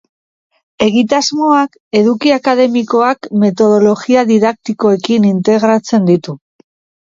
Egitasmoak eduki akademikoak metodologia didaktikoekin integratzen ditu.